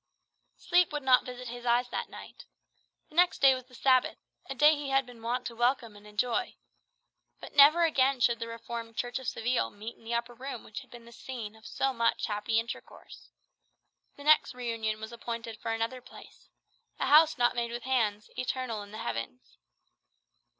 Sleep would not visit his eyes that night. The next day was the Sabbath, a day he had been wont to welcome and enjoy. But never again should the Reformed Church of Seville meet in the upper room which had been the scene of so much happy intercourse. The next reunion was appointed for another place, a house not made with hands, eternal in the heavens.